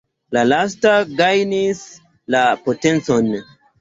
La lasta gajnis la potencon.